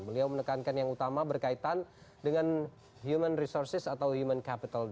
beliau menekankan yang utama berkaitan dengan human resources atau human capital